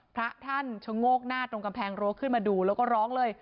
พระท่านชะโงกหน้าตรงกำแพงรั้วขึ้นมาดูแล้วก็ร้องเลย